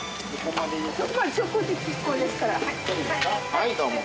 はいどうも。